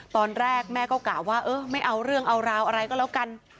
ตอนแรกแม่ก็กะว่าเออไม่เอาเรื่องเอาราวอะไรก็แล้วกัน